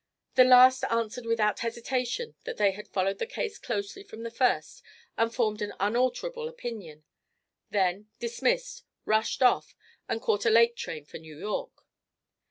The last answered without hesitation that they had followed the case closely from the first and formed an unalterable opinion; then, dismissed, rushed off and caught a late train for New York.